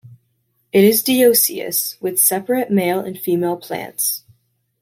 It is dioecious, with separate male and female plants.